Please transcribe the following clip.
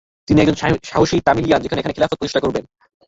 তিনি একজন সাহসী তামিলিয়ান, যিনি এখানে খিলাফত প্রতিষ্ঠা করবেন।